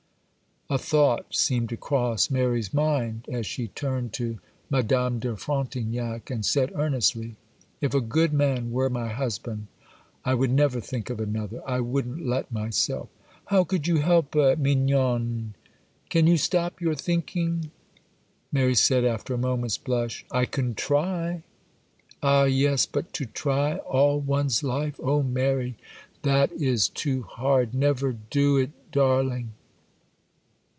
A thought seemed to cross Mary's mind, as she turned to Madame de Frontignac, and said, earnestly,— 'If a good man were my husband, I would never think of another,—I wouldn't let myself.' 'How could you help it, mignonne? Can you stop your thinking?' Mary said, after a moment's blush,— 'I can try!' 'Ah, yes! But to try all one's life,—oh, Mary, that is too hard! Never do it, darling!